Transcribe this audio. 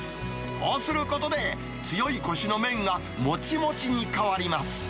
こうすることで、強いこしの麺がもちもちに変わります。